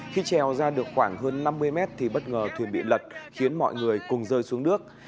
khi trèo ra được khoảng hơn năm mươi mét thì bất ngờ thuyền bị lật khiến mọi người cùng rơi xuống nước